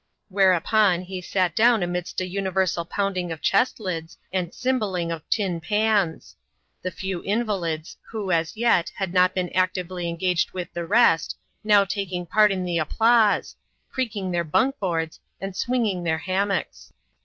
Whereupon, he sat down amid a universal pounding of chest lids, and cymballingof tin pans ; the few invalids, who, as yet, had not been actively engaged with the rest, now taking part in the applause, creaking their bunk boards and swinging their hammocks.